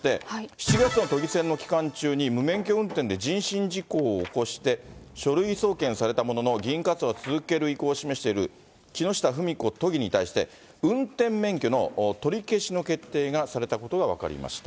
７月の都議選の期間中に無免許運転で人身事故を起こして書類送検されたものの、議員活動を続ける意思は示している木下富美子都議に対して、運転免許の取り消しの決定がされたことが分かりました。